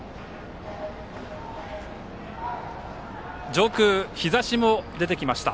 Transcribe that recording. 上空、日ざしも出てきました。